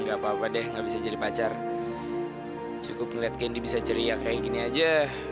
ya gak apa apa deh gak bisa jadi pacar cukup ngeliat gendy bisa ceria kayak gini aja